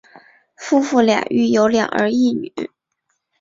夫妇俩育有两儿一女。